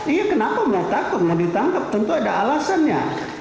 iya kenapa mau takut mau ditangkap tentu ada alasannya